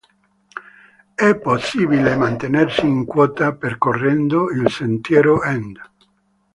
È possibile mantenersi in quota percorrendo il sentiero n.